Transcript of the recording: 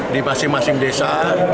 di masing masing desa